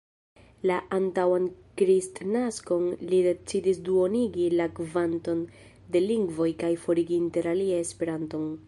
La antaŭan kristnaskon li decidis duonigi la kvanton de lingvoj kaj forigi interalie Esperanton.